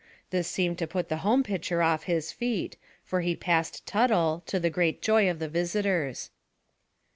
This seemed to put the home pitcher off his feet, for he passed Tuttle, to the great joy of the visitors.